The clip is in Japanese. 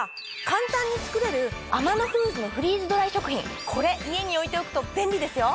簡単に作れるアマノフーズのフリーズドライ食品これ家に置いておくと便利ですよ！